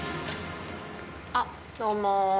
あっどうも。